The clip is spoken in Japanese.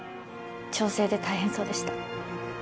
調整で大変そうでした。